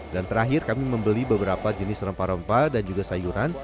dan terakhir kami membeli beberapa jenis rempah rempah dan juga sayuran